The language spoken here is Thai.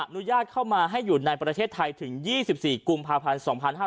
อนุญาตเข้ามาให้อยู่ในประเทศไทยถึง๒๔กุมภาพันธ์๒๕๕๙